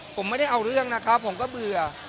ผมไม่ได้เอาเรื่องนะครับผมก็เบื่อ